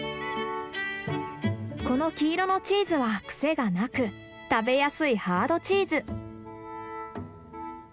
この黄色のチーズはクセがなく食べやすいハードチーズ。